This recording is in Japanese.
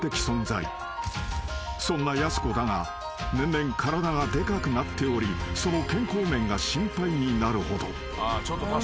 ［そんなやす子だが年々体がでかくなっておりその健康面が心配になるほど］